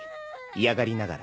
嫌がりながら。